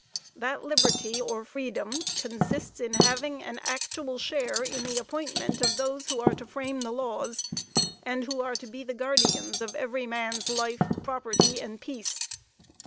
That liberty or freedom consists in having an actual share in the appointment of those who are to frame the laws, and who are to be the guardians of every man's life, property and peace.